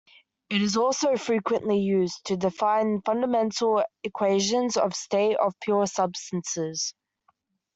It is also frequently used to define fundamental equations of state of pure substances.